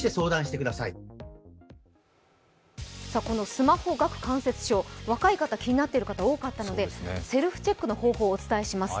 スマホ顎関節症、若い方気になってる方多いので、セルフチェックの方法をお伝えします。